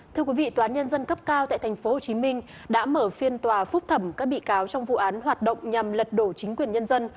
thưa quý vị tòa án nhân dân cấp cao tại tp hcm đã mở phiên tòa phúc thẩm các bị cáo trong vụ án hoạt động nhằm lật đổ chính quyền nhân dân